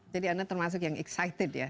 jadi anda termasuk yang excited ya